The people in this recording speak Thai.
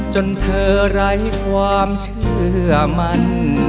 จนเธอไร้ความเชื่อมัน